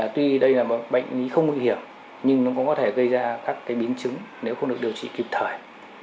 tuy đây là một bệnh lý không nguy hiểm nhưng nó cũng có thể gây ra các biến chứng nếu không được điều trị kịp thời